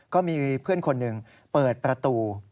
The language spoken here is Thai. ก็มีเพื่อนคนหนึ่งเปิดประตู